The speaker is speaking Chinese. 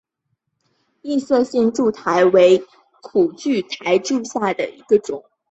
异色线柱苣苔为苦苣苔科线柱苣苔属下的一个种。